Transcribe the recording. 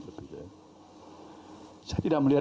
saya tidak melihat